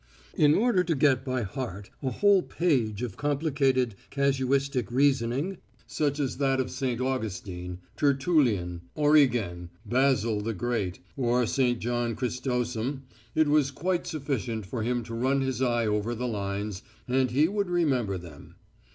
In order to get by heart a whole page of complicated casuistical reasoning, such as that of St. Augustine, Tertullian, Origen, Basil the Great or St. John Chrysostom, it was quite sufficient for him to run his eye over the lines, and he would remember them.